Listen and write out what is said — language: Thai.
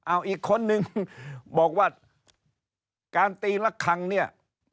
เอาอีกคนนึงบอกว่าการตีละครั้งเนี่ย